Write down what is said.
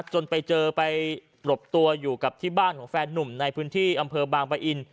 จนไปเจอไปหลบตัวอยู่กับที่บ้านของแฟนนุ่มในพื้นที่อำเภอบางปะอิน